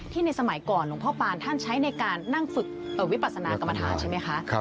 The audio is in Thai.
ในสมัยก่อนหลวงพ่อปานท่านใช้ในการนั่งฝึกวิปัสนากรรมฐานใช่ไหมคะ